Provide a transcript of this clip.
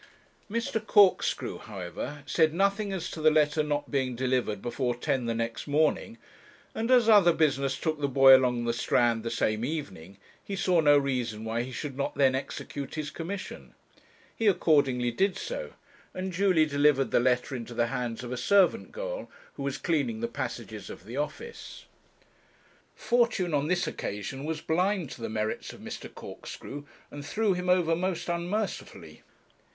Mr. Corkscrew, however, said nothing as to the letter not being delivered before ten the next morning, and as other business took the boy along the Strand the same evening, he saw no reason why he should not then execute his commission. He accordingly did so, and duly delivered the letter into the hands of a servant girl, who was cleaning the passages of the office. Fortune on this occasion was blind to the merits of Mr. Corkscrew, and threw him over most unmercifully.